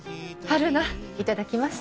春菜いただきます。